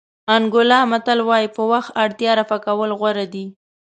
انګولا متل وایي په وخت اړتیا رفع کول غوره دي.